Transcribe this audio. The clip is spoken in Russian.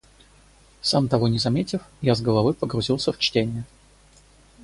Сам того не заметив, я с головой погрузился в чтение